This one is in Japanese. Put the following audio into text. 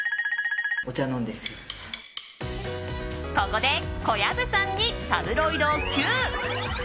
ここで小籔さんにタブロイドＱ！